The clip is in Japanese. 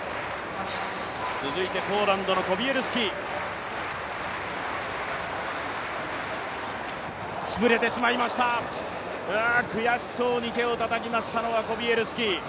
続いてポーランドのコビエルスキ、潰れてしまいました触れてしまいました、悔しそうに手をたたきましたのはコビエルスキ。